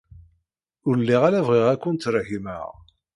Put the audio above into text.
Ur lliɣ ara bɣiɣ ad kent-regmeɣ.